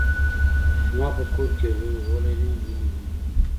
زما په کور کې يو لوی غولی دی ونې هم دي